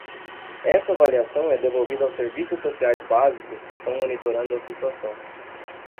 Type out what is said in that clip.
Essa avaliação é devolvida aos serviços sociais básicos que estão monitorando a situação.